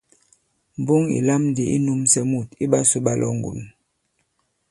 Mboŋ ì lam ndī i nūmsɛ mût iɓasū ɓa Lɔ̌ŋgòn.